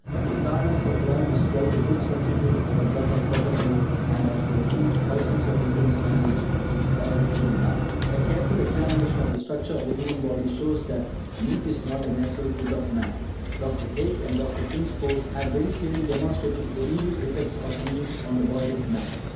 The sourness of lime is quite a good substitute for that of buttermilk; and as for ghee, thousands of Indians manage with oil even now. A careful examination of the structure of the human body shows that meat is not the natural food of man. Dr. Haig and Dr. Kingsford have very clearly demonstrated the evil effects of meat on the body of man.